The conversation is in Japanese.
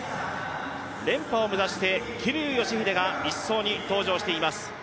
連覇を目指して桐生祥秀が１走に登場しています。